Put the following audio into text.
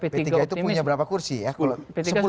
p tiga itu punya berapa kursi ya